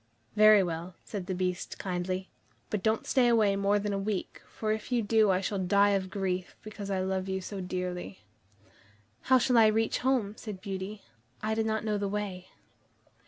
"Very well," said the Beast kindly, "but don't stay away more than a week, for if you do, I shall die of grief, because I love you so dearly." "How shall I reach home?" said Beauty; "I do not know the way."